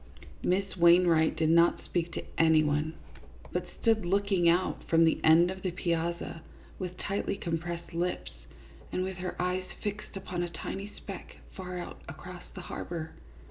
Miss Wainwright did not speak to any one, but 52 CLYDE MOORFIELD, YACHTSMAN. stood looking out from the end of the piazza, with tightly compressed lips, and with her eyes fixed upon a tiny speck far out across the harbor.